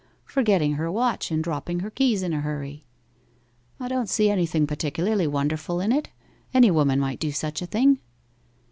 'Forgetting her watch and dropping her keys in her hurry.' 'I don't see anything particularly wonderful in it. Any woman might do such a thing.